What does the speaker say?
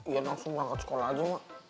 yann langsung berangkat sekolah aja mak